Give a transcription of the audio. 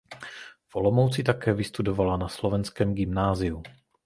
V Olomouci také vystudovala na Slovanském gymnáziu.